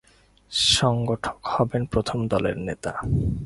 সংগঠক হবেন প্রথম দলের নেতা।